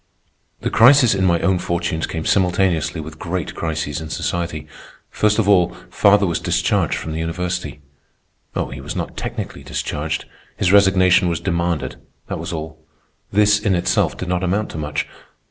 The crisis in my own fortunes came simultaneously with great crises in society. First of all, father was discharged from the university. Oh, he was not technically discharged. His resignation was demanded, that was all. This, in itself, did not amount to much.